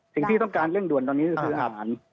สิ่งที่ต้องการเร่งด่วนตอนนี้ก็คืออาหาร